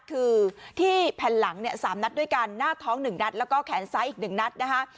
คือที่แผ่นหลังเนี่ย๓นัดด้วยกันหน้าท้อง๑นัดแล้วก็แขนซ้ายอีก๑นัดนะคะ